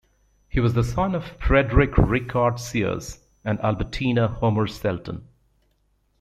He was the son of Frederic Richard Sears and Albertina Homer Shelton.